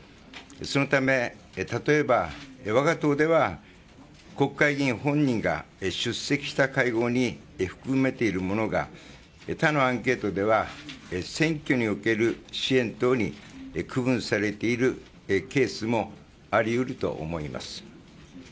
そのため例えば我が党では国会議員本人が出席した会合に含めているものが他のアンケートでは選挙における支援等に区分されているケースもあり得ると思います。